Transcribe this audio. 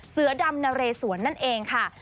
เสือดำนะเรสวนนั่นเองค่ะ